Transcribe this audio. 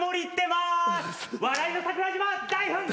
笑いの桜島大噴火！